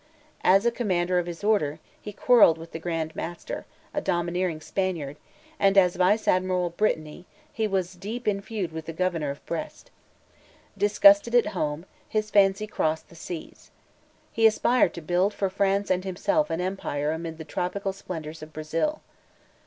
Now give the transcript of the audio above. As a Commander of his Order, he quarreled with the Grand Master, a domineering Spaniard; and, as Vice Admiral of Brittany, he was deep in a feud with the Governor of Brest. Disgusted at home, his fancy crossed the seas. He aspired to build for France and himself an empire amid the tropical splendors of Brazil.